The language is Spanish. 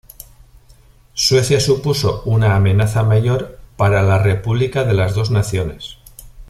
Suecia supuso una amenaza mayor para la República de las Dos Naciones.